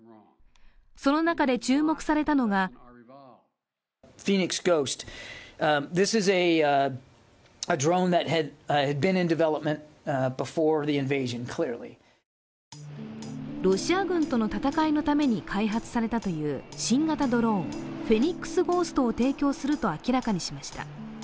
その中で注目されたのがロシア軍との戦いのために開発されたという新型ドローン、フェニックスゴーストを提供すると明らかにしました。